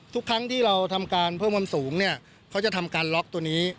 ทุกครั้งที่เราทำการเพิ่มความสูงเนี่ยเขาจะทำการล็อกตัวนี้